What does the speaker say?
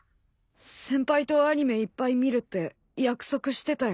先輩とアニメいっぱい見るって約束してたよな。